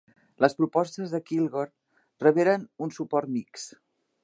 Les propostes de Kilgore reberen un suport mixt.